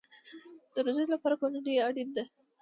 د روزنې لپاره کورنۍ اړین ده